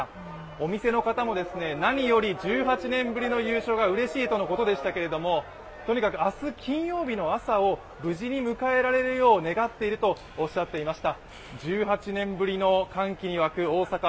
お店の方も、何より１８年ぶりの優勝がうれしいとのことでしたがとにかく明日金曜日の朝を無事に迎えられるよう願っているとチチンペイペイソフトバンク！待ってました！